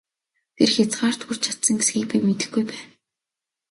Тэр хязгаарт хүрч чадсан эсэхийг би мэдэхгүй байна!